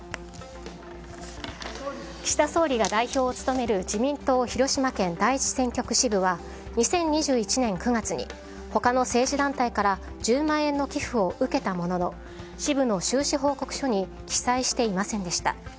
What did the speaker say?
岸田総理が代表を務める自民党広島県第一選挙区支部は２０２１年９月に他の政治団体から１０万円の寄付を受けたものの支部の収支報告書に記載していませんでした。